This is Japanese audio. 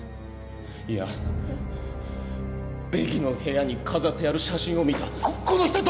いや、ベキの部屋に飾ってある写真を見た。